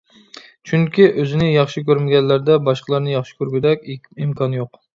چۈنكى ئۆزىنى ياخشى كۆرمىگەنلەردە باشقىلارنى ياخشى كۆرگۈدەك ئىمكان يوق!